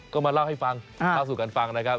ก็มาเล่าให้ฟังเล่าสู่กันฟังนะครับ